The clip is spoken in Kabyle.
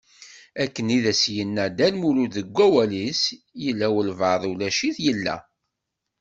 Akken i as-yenna dda Lmulud deg wawal-is: Yella walebɛaḍ ulac-it, yella.